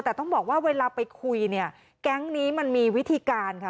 แต่ต้องบอกว่าเวลาไปคุยเนี่ยแก๊งนี้มันมีวิธีการค่ะ